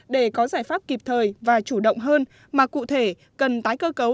để có giải pháp kịp thời và chủ động hơn mà cụ thể cần tái cơ cấu